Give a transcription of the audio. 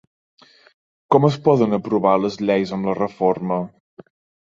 Com es poden aprovar les lleis amb la reforma?